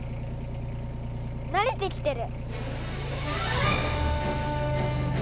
慣れてきてる。